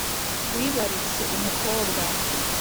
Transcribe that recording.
Wibarutse umukobwa